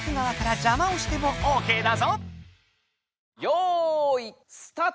よいスタート！